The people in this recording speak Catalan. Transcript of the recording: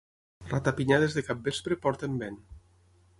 Ratapinyades de capvespre porten vent.